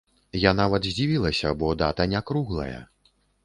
Я нават здзівілася, бо дата не круглая.